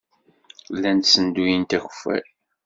Llant ssenduyent akeffay.